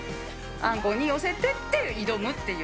あんこうに寄せてって挑むっていう。